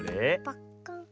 パッカーン。